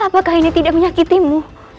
apakah ini tidak menyakitimu